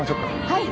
はい。